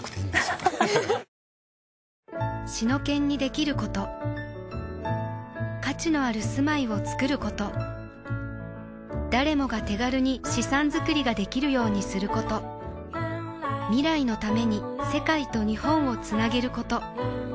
シノケンにできること価値のある住まいをつくること誰もが手軽に資産づくりができるようにすること未来のために世界と日本をつなげること